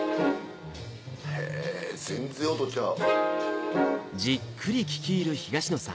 へぇ全然音ちゃう。